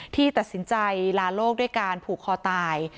ที่ตัดสินใจลาโลกด้วยการผูกคอตาย